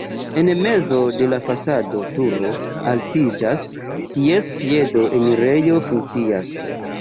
En mezo de la fasado turo altiĝas, kies piedo enirejo funkcias.